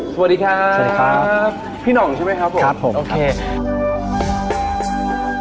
สวัสดีครับสวัสดีครับพี่หน่องใช่ไหมครับผมครับผมโอเค